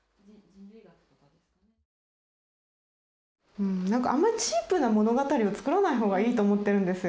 うんなんかあんまりチープな物語を作らないほうがいいと思ってるんですよ。